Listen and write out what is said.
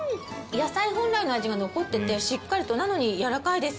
野菜本来の味が残っててしっかりとなのにやわらかいです。